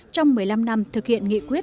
trong một mươi năm năm thực hiện nghị quyết